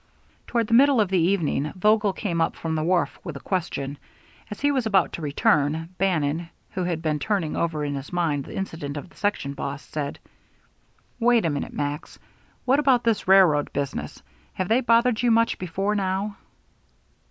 Toward the middle of the evening Vogel came up from the wharf with a question. As he was about to return, Bannon, who had been turning over in his mind the incident of the section boss, said: "Wait a minute, Max. What about this railroad business have they bothered you much before now?"